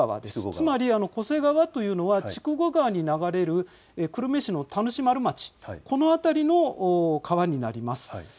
つまり巨瀬川というのは筑後川に流れる久留米市の田主丸町の辺りの川になります。